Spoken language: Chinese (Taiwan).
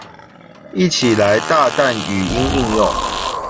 一起來大啖語音應用